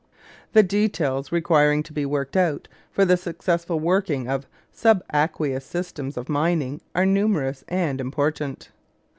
The details requiring to be worked out for the successful working of subaqueous systems of mining are numerous and important.